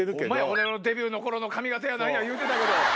俺のデビューの頃の髪形や何や言うてたけど。